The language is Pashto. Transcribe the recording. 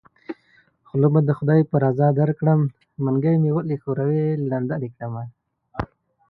خوله به د خدای په رضا درکړم منګۍ مې ولی ښوروی لنده دې کړمه